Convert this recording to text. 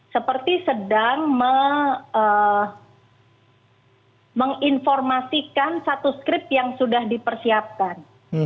seperti sedang menginformasikan satu skrip yang sudah dipersiapkan